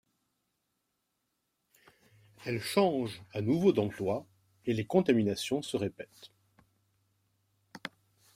Elle change à nouveau d'emploi, et les contaminations se répètent.